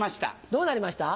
どうなりました？